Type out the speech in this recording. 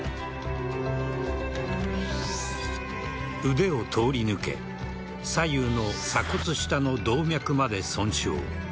腕を通り抜け左右の鎖骨下の動脈まで損傷。